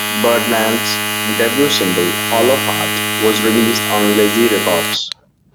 Birdland's debut single "Hollow Heart", was released on Lazy Records.